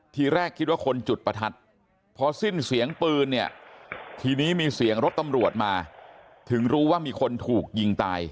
ทีแรกคิดว่าคนจุดประทัดพอสิ้นเสียงปืนเนี่ยทีนี้มีเสียงรถตำรวจมาถึงรู้ว่ามีคนถูกยิงตาย